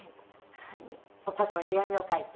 お母様に手紙を書いた？